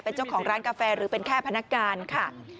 เป็นเจ้าของร้านกาแฟหรือเป็นแค่พนักงานค่ะ